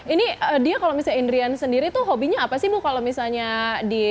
ini dia kalau misalnya indrian sendiri tuh hobinya apa sih bu kalau misalnya di